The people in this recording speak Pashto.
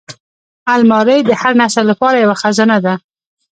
الماري د هر نسل لپاره یوه خزانه ده